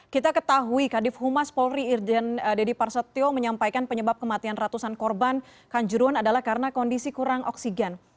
kita ketahui kadif humas polri irjen deddy parsetio menyampaikan penyebab kematian ratusan korban kanjuruan adalah karena kondisi kurang oksigen